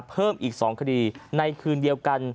เพิ่มอีก๒คดีในคืนเดียวกัน